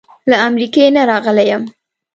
له امریکې نه راغلی یم.